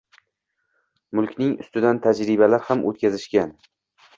Mulkning ustidan tajribalar ham o‘tkazishgan.